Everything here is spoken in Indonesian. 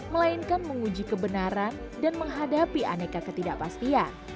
melainkan menguji kebenaran dan menghadapi aneka ketidakpastian